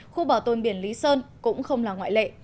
khu bảo tồn biển lý sơn cũng không là ngoại lệ